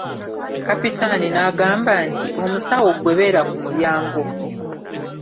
Kapitaani n'agamba nti " Omusawo ggwe beera ku mulyango.